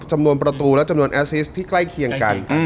จำนวนประตูและจำนวนแอสซิสที่ใกล้เคียงกัน